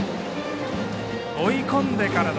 追い込んでからの。